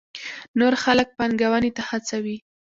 نور خلک پانګونې ته هڅوي.